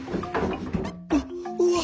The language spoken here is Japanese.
「うっうわ。